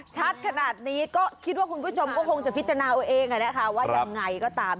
ชัดขนาดนี้ก็คิดว่าคุณผู้ชมก็คงจะพิจารณาเอาเองว่ายังไงก็ตาม